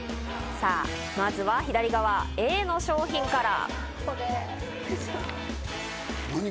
さぁ、まずは左側、Ａの商品から。